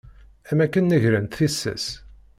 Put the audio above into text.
Am akken negrent tissas.